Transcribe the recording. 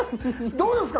どうですか